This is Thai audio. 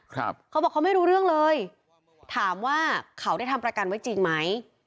เขาบอกเขาไม่รู้เรื่องเลยถามว่าเขาได้ทำประกันไว้จริงไหม